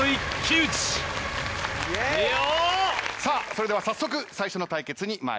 それでは早速最初の対決に参ります。